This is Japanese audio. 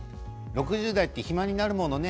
６０代って暇になるものね。